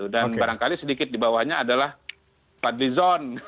dan barangkali sedikit di bawahnya adalah fadlizon